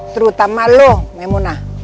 terutama lu memona